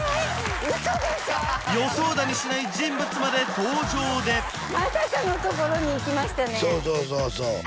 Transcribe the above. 嘘でしょ予想だにしない人物まで登場でそうそうそうそう